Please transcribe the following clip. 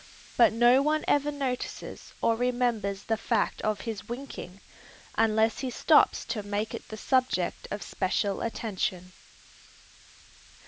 But no one ever notices or remembers the fact of his winking, unless he stops to make it the subject of special attention.